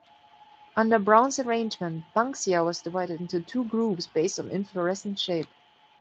Under Brown's arrangement, "Banksia" was divided into two groups based on inflorescence shape.